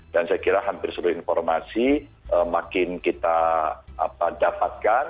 dan saya kira hampir seluruh informasi makin kita dapatkan